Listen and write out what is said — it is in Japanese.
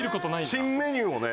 新メニューをね。